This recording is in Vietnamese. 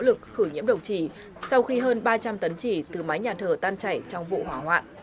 tổng thống macron đã gửi nhiễm độc chỉ sau khi hơn ba trăm linh tấn chỉ từ mái nhà thờ tan chảy trong vụ hỏa hoạn